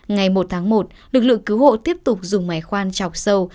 ngày một tháng một lực lượng cứu hộ tiếp tục dùng máy khoan chọc sâu